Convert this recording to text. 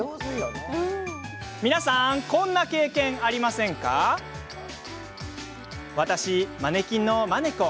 皆さん、こんな経験ありませんでしょうか？